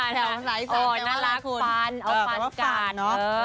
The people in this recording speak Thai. แถวไหนเจ้าของเจ้าของน่ารักคุณเอาฟันกัด